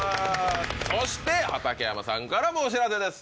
そして畠山さんからもお知らせです。